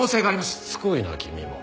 しつこいな君も。